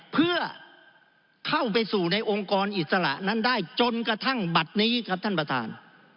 เพื่อเข้าไปสู่ในองค์กรอิสระนั้นได้จนกระทั่งบัตรนี้ครับท่านประธาน